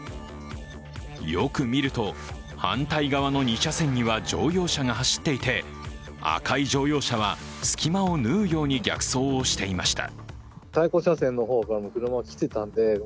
よく見ると、反対側の２車線には乗用車が走っていて、赤い乗用車は隙間をぬうように逆走をしていました。